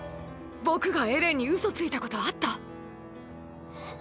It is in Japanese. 僕がエレンにウソついたことあった？